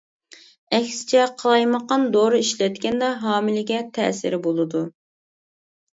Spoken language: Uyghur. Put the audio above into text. ئەكسىچە قالايمىقان دورا ئىشلەتكەندە ھامىلىگە تەسىرى بولىدۇ.